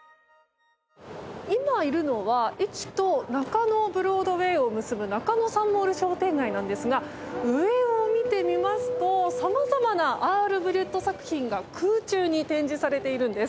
今いるのは駅と中野ブロードウェイを結ぶ中野サンモール商店街なんですが上を見てみますと様々なアール・ブリュット作品が空中に展示されているんです。